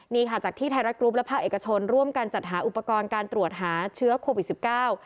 นี่ค่ะจากที่ไทยรัฐกรุ๊ปและภาคเอกชนร่วมกันจัดหาอุปกรณ์การตรวจหาเชื้อโควิดสิบเก้า